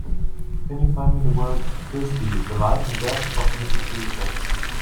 Can you find me the work, Frisbee: The Life and Death of a Hippie Preacher?